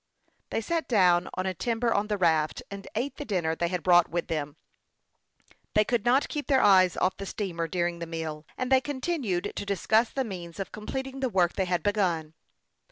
They sat down on a timber on the raft, and ate the dinner they had brought with them. They could not keep their eyes off the steamer during the meal. THE YOUNG PILOT OF LAKE CHAMPLAIN". 143 and they continued to discuss the means of complet ing the work they had begun.